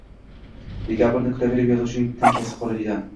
Dekabrni kutaverib yozuvchining tinkasi quriydi